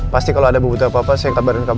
pasti kalau ada yang butuh apa apa saya kabarin saja